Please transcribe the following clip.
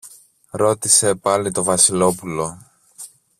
ρώτησε πάλι το Βασιλόπουλο.